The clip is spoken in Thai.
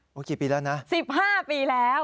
มากี่ปีแล้วนะ๑๕ปีแล้ว